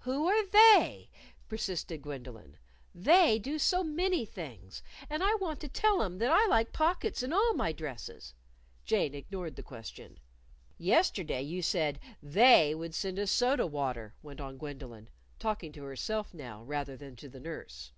"Who are They'?" persisted Gwendolyn. "'They' do so many things. And I want to tell 'em that I like pockets in all my dresses." Jane ignored the question. "Yesterday you said 'They' would send us soda water," went on Gwendolyn talking to herself now, rather than to the nurse.